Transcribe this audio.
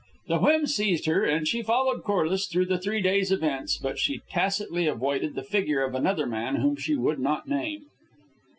The whim seized her, and she followed Corliss through the three days' events, but she tacitly avoided the figure of another man whom she would not name.